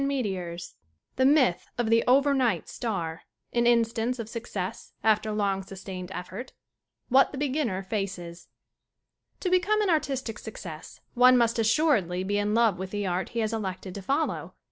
CHAPTER II The myth of the "overnight" star An instance of success after long sustained effort What the beginner faces. To BECOME an artistic success one must as suredly be in love with the art he has elected to follow.